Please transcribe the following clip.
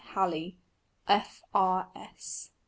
Halley, F. R. S.